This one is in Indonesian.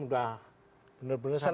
sudah benar benar sampai